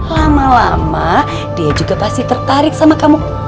lama lama dia juga pasti tertarik sama kamu